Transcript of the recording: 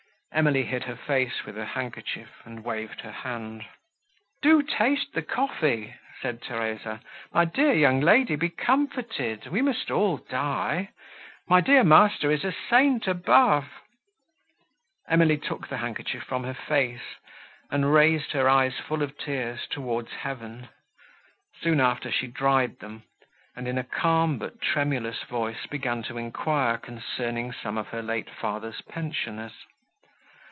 Emily hid her face with her handkerchief, and waved her hand. "Do taste the coffee," said Theresa. "My dear young lady, be comforted—we must all die. My dear master is a saint above." Emily took the handkerchief from her face, and raised her eyes full of tears towards heaven; soon after she dried them, and, in a calm, but tremulous voice, began to enquire concerning some of her late father's pensioners.